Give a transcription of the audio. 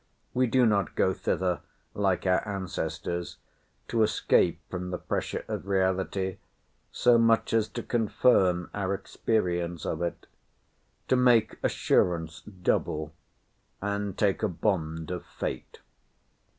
We do not go thither, like our ancestors, to escape from the pressure of reality, so much as to confirm our experience of it; to make assurance double, and take a bond of fate.